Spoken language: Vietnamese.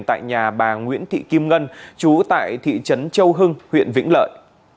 tại nhà bà nguyễn thị kim ngân chú tại thị trấn châu hưng huyện vĩnh lợi